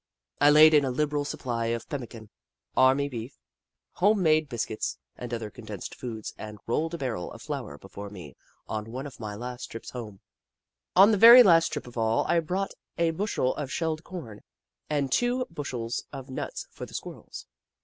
I laid in a liberal supply of pemmican, army beef, home made biscuits, and other condensed foods, and rolled a barrel of flour before me on one of my last Kitchi Kitchi 91 trips home. On the very last trip of all, I brought a bushel of shelled corn and two bushels of nuts for the Squirrels.